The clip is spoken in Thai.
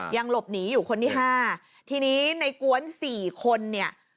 ยังหลบหนีอยู่คนที่ห้าทีนี้ในกวนสี่คนเนี่ย